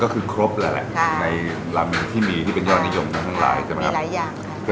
ก็คือครบแล้วแหละค่ะในรามินที่มีที่เป็นยอดนิยมทั้งหลายใช่ไหมครับมีหลายอย่างครับ